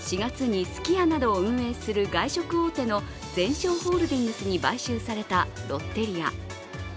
４月に、すき家などを運営する外食大手のゼンショーホールディングスに買収されたロッテリア。